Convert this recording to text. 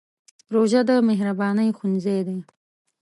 روژه د مهربانۍ ښوونځی دی.